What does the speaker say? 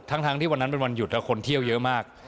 ทั้งที่วันนั้นเป็นวันหยุดคนเที่ยวเยอะมาก